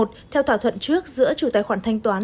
theo thỏa thuận trước giữa chủ tài khoản thanh toán